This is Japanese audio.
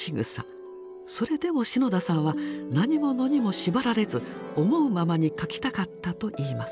それでも篠田さんは何者にも縛られず思うままに書きたかったといいます。